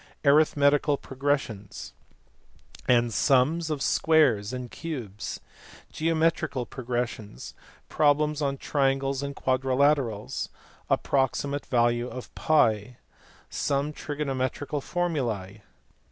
Arithmetical progressions, and sums of squares and cubes. Geometrical pro gressions. Problems on triangles and quadrilaterals. Approxi mate value of TT. Some trigonometrical formulae.